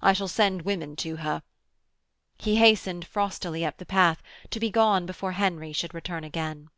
I shall send women to her.' He hastened frostily up the path to be gone before Henry should return again.